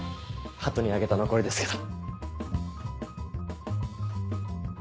ハトにあげた残りですけど。